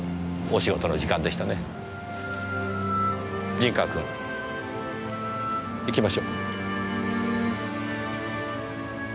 陣川君行きましょう。